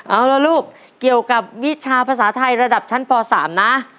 เอาละลูกเกี่ยวกับวิชาภาษาไทยระดับชั้นป๓นะ